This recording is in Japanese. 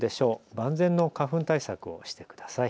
万全の花粉対策をしてください。